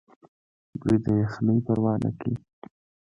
دوی د یخنۍ پروا نه کوي.